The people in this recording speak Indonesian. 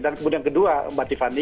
dan kemudian kedua mbak tiffany